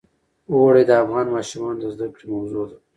اوړي د افغان ماشومانو د زده کړې موضوع ده.